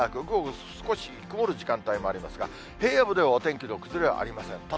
午後、少し曇る時間帯もありますが、平野部ではお天気の崩れはありません。